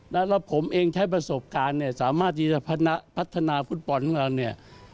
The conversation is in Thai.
แล้วผมเองใช้ประสบการณ์เนี่ยสามารถที่จะพัฒนาฟุตบอลของเราเนี่ย